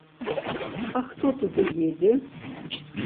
А хто туды едзе?